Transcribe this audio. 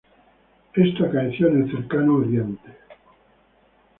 Esto acaeció en el Cercano Oriente.